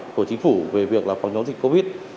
của chính phủ về việc là phòng chống dịch covid